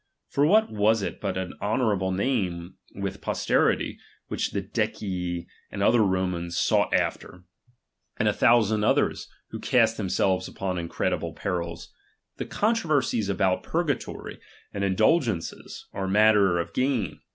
For what was it but an honourable name with pos terity, which the Decii and other Romans sought after ; and a thousand others, who cast themselves upon incredible perils ? The controversies about purgatory, and indulgences, are matter of gain.